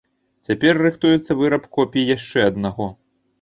Цяпер рыхтуецца выраб копій яшчэ аднаго.